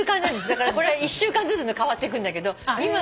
だからこれは一週間ずつ変わっていくんだけど。